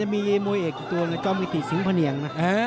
มันจะมีมวยเอกตัวจอมกิติสิงห์พะเนียง